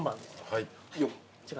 はい。